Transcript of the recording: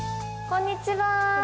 こんにちは。